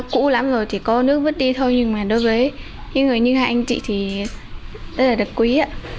cũ lắm rồi thì có nước vứt đi thôi nhưng mà đối với những người như hai anh chị thì rất là đặc quý